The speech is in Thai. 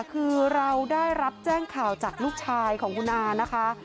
คือเราได้รับแจ้งข่าวจากลูกชายของคุณอานะคะ